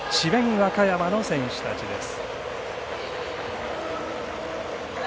和歌山の選手たちです。